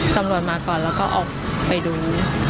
ตำรวจมาก่อนแล้วก็ออกไปดู